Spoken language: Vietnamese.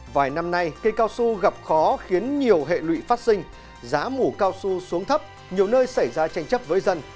vài năm nay cây cao su gặp khó khiến nhiều hệ lụy phát sinh giá mũ cao su xuống thấp nhiều nơi xảy ra tranh chấp với dân